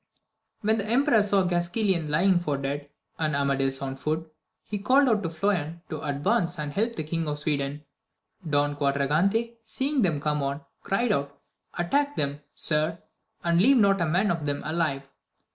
When the emperor saw Gasquilan lying for dead, and Amadis on foot, he called out to Floyan to advance and help the King of Sweden. Don Quadragante seeing them come on, cried out, Attack them, sir, and leave not a man of them alive